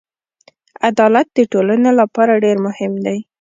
عدالت د ټولنې لپاره ډېر مهم دی.